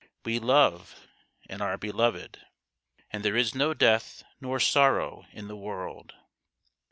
We love and are beloved ; and there is no death nor sorrow in the world